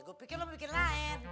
ya gua pikir lu bikin lain